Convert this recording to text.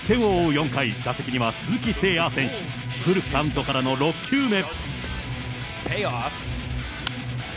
４回、打席には鈴木誠也選手、フルカウントからの６球目。